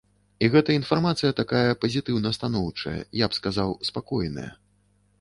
І гэта інфармацыя такая пазітыўна-станоўчая я б сказаў, спакойная.